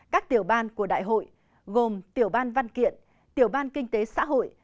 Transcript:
các tiểu ban của đại hội gồm tiểu ban văn kiện tiểu ban kinh tế xã hội